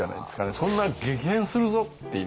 そんな激変するぞっていう。